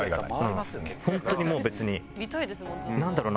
本当にもう別になんだろうな？